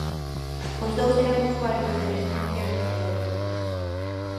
Os dous eran usuarios de residencias de maiores.